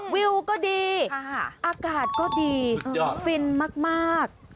วิวก็ดีอากาศก็ดีฟินมาก